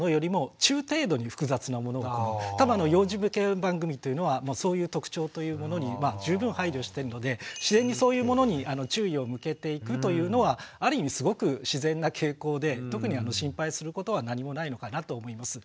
多分幼児向けの番組というのはそういう特徴というものに十分配慮してるので自然にそういうものに注意を向けていくというのはある意味すごく自然な傾向で特に心配することは何もないのかなと思います。